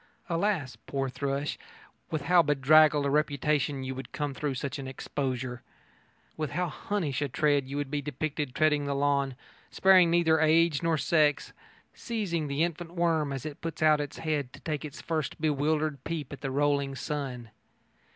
Alas, poor thrush, with how bedraggled a reputation you would come through such an exposure! With how Hunnish a tread you would be depicted treading the lawn, sparing neither age nor sex, seizing the infant worm as it puts out its head to take its first bewildered peep at the rolling sun!